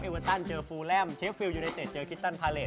เวอร์ตันเจอฟูแลมเชฟฟิลยูเนเต็ดเจอคิตตันพาเลส